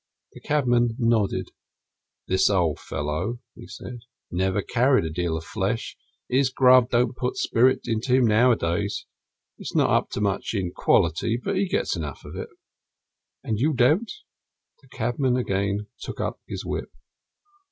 The cabman nodded. "This old fellow," he said, "never carried a deal of flesh. His grub don't put spirit into him nowadays; it's not up to much in quality, but he gets enough of it." "And you don't?" The cabman again took up his whip.